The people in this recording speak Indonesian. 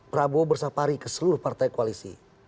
prabowo bersapari ke seluruh partai koalisi